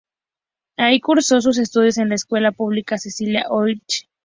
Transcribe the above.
Ahí cursó sus estudios en la escuela pública Cecilia Orlich.